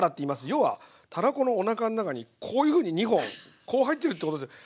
要はたらこのおなかの中にこういうふうに２本こう入ってるってことですよ。